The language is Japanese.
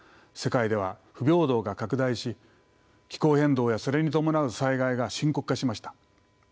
世界では不平等が拡大し気候変動やそれに伴う災害が深刻化しました。